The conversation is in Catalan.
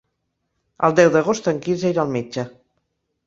El deu d'agost en Quirze irà al metge.